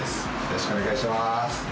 よろしくお願いします。